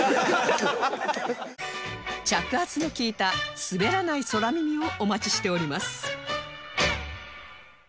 着圧の利いた滑らない空耳をお待ちしております